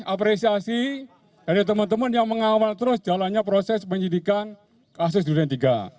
apresiasi dari teman teman yang mengawal terus jalannya proses penyidikan kasus duren tiga